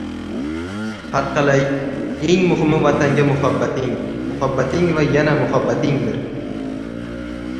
Harqalay, eng muhimi vatanga muhabbating, muhabbating va yana muhabbatingdir!